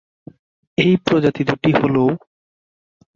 এই প্রজাতি দুটি হলও,